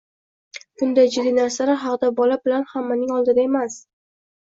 Bunday jiddiy narsalar haqida bola bilan hammaning oldida emas.